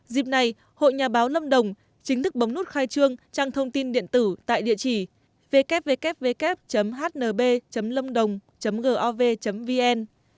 dịp này hội nhà báo lâm đồng chính thức bấm nút khai trương trang thông tin điện tử tại địa chỉ www hnb lâmđồng gov vn